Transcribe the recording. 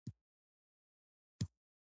خدای پاک دې وکړي چې ستاسو د خوښې وړ وګرځي.